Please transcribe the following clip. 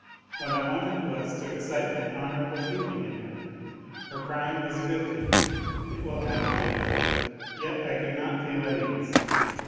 What I wanted was to excite an honourable feeling in her. ... Her crying was a good thing, it will have a good effect." Yet I could not feel at ease.